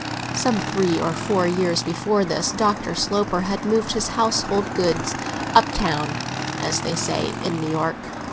Some three or four years before this Dr. Sloper had moved his household gods up town, as they say in New York.